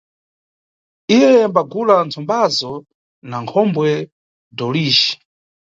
Iye ambagula ntsombazo na khombwe Dholijhi.